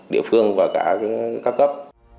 địa phương và cả các cấp